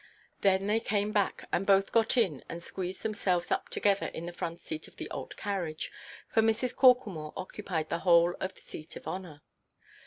Then they came back, and both got in, and squeezed themselves up together in the front seat of the old carriage, for Mrs. Corklemore occupied the whole of the seat of honour.